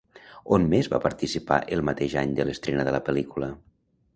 On més va participar el mateix any de l'estrena de la pel·lícula?